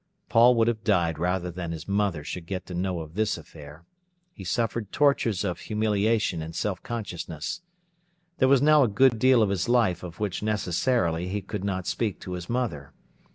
Paul would have died rather than his mother should get to know of this affair. He suffered tortures of humiliation and self consciousness. There was now a good deal of his life of which necessarily he could not speak to his mother.